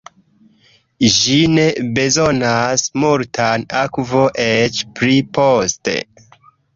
Ĝi ne bezonas multan akvo eĉ pli poste.